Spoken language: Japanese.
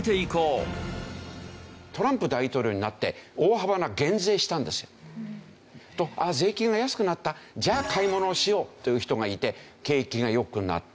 トランプ大統領になって大幅な減税したんですよ。と税金が安くなったじゃあ買い物をしようという人がいて景気が良くなった。